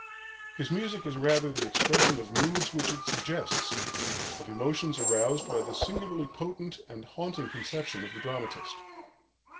His music is rather the expression of moods which it suggests, of emotions aroused by the singularly potent and haunting conception of the dramatist.